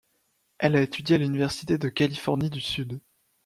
Elle a étudié à l'Université de Californie du Sud.